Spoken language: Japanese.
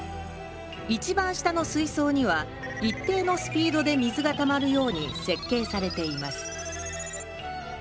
一番下の水槽には一定のスピードで水がたまるように設計されています